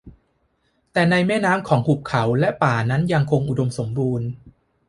แต่ในแม่น้ำของหุบเขาและป่านั้นยังคงอุดมสมบูรณ์